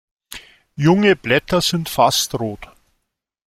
Junge Blätter sind fast rot.